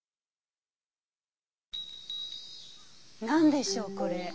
何でしょうこれ。